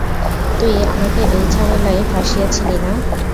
তুই আমাকে এই ঝামেলায় ফাঁসিয়েছিলি না?